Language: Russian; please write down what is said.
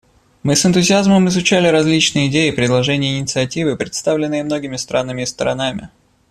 Мы с энтузиазмом изучали различные идеи, предложения и инициативы, представленные многими странами и сторонами.